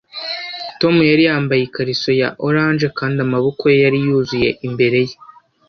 Tom yari yambaye ikariso ya orange kandi amaboko ye yari yuzuye imbere ye